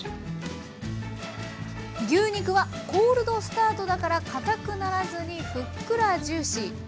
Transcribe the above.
牛肉はコールドスタートだからかたくならずにふっくらジューシー。